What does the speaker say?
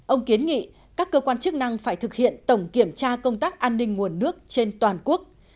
ông kiến nghị các cơ quan chức năng phải thực hiện tổng kiểm tra công tác an ninh nguồn nước trên toàn quốc